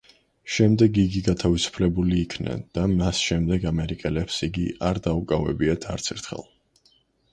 შემდეგ იგი გათავისუფლებული იქნა და მას შემდეგ ამერიკელებს იგი არ დაუკავებიათ არც ერთხელ.